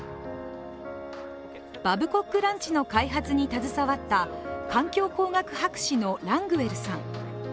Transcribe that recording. バブコックランチの開発に携わった環境工学博士のラングウェルさん。